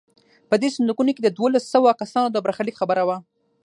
په دې صندوقونو کې د دولس سوه کسانو د برخلیک خبره وه.